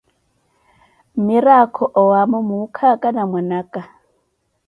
Mmiraakho owaamo muukhaaka na mwana aka.